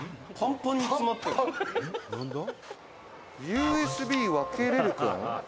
「“ＵＳＢ分けれるくん”？」